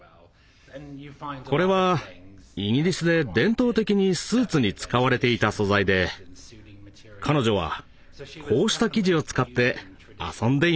これはイギリスで伝統的にスーツに使われていた素材で彼女はこうした生地を使って遊んでいました。